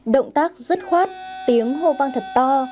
động tác rất khoát tiếng hô vang thật to